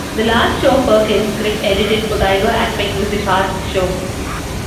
The last show Perkins script edited for Tiger Aspect was The Fast Show.